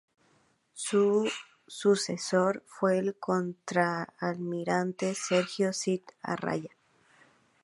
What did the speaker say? Su sucesor fue el contraalmirante Sergio Cid Arraya.